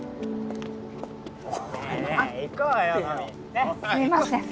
すいません。